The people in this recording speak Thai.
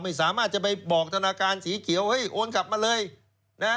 ไม่สามารถจะไปบอกธนาคารสีเขียวเฮ้ยโอนกลับมาเลยนะ